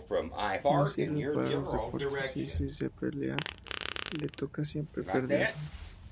No sirve para los deportes y si se pelea le toca siempre perder.